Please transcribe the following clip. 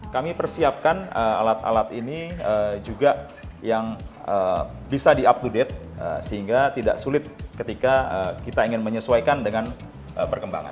kami persiapkan alat alat ini juga yang bisa di up to date sehingga tidak sulit ketika kita ingin menyesuaikan dengan perkembangan